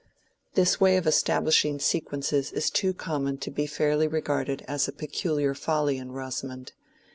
This way of establishing sequences is too common to be fairly regarded as a peculiar folly in Rosamond.